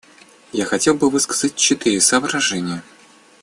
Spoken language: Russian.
Я хотел бы высказать четыре соображения.